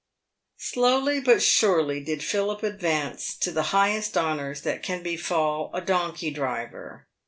Slowly but surely did Philip advance to the highest honours that can befal a donkey driver.